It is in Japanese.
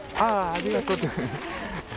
ありがとう。